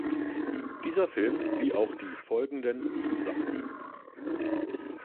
Dieser Film wie auch die folgenden, "Zusammen!